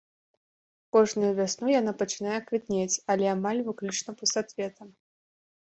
Кожную вясну яна пачынае квітнець, але амаль выключна пустацветам.